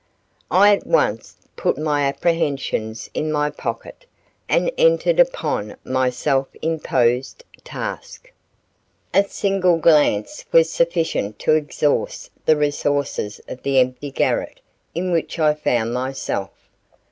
I at once put my apprehensions in my pocket and entered upon my self imposed task. A single glance was sufficient to exhaust the resources of the empty garret in which I found myself.